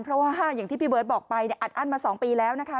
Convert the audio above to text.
เพราะว่า๕อย่างที่พี่เบิร์ตบอกไปอัดอั้นมา๒ปีแล้วนะคะ